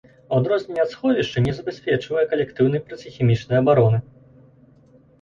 У адрозненне ад сховішча не забяспечвае калектыўнай проціхімічнай абароны.